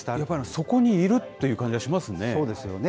そこにいるっていう感じがしますね。